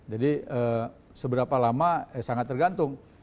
jadi seberapa lama sangat tergantung